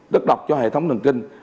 rất độc cho hệ thống thần kinh